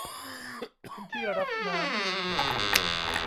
พื้นที่รับน้ำ